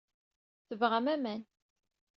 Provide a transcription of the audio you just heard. Tebɣam aman.